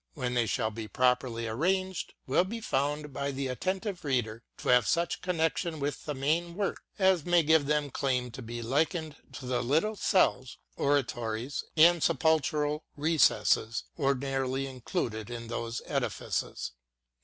. when they shall be properly arranged, will be found by the attentive reader to have such connection with the main Work as may give them claim to be likened to the little cells, oratories and sepulchral recesses ordinarily included in those edifices."